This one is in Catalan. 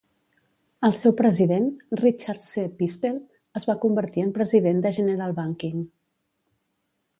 El seu president, Richard C. Pistell, es va convertir en president de General Banking.